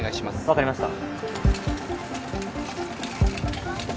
分かりました。